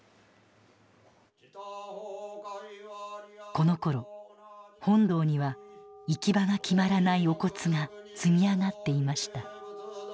このころ本堂には行き場が決まらないお骨が積み上がっていました。